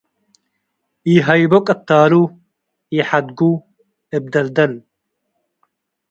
ኢሀይቦ ቅታሉ - ኢሐድጉ እብ ደል-ደል